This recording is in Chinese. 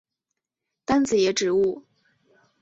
单子叶植物。